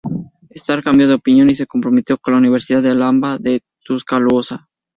Starr cambió de opinión y se comprometió con la Universidad de Alabama en Tuscaloosa.